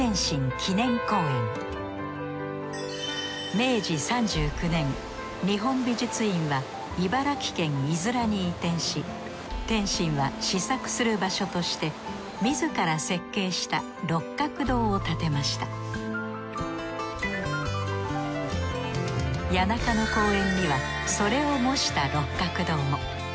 明治３９年日本美術院は茨城県五浦に移転し天心は思索する場所として自ら設計した六角堂を建てました谷中の公園にはそれを模した六角堂も。